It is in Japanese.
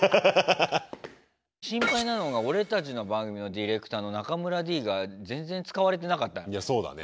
心配なのが俺たちの番組のディレクターの中村Ｄが全然使われてなかったね。